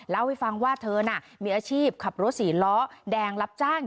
เล่าให้ฟังว่าเธอน่ะมีอาชีพขับรถสี่ล้อแดงรับจ้าง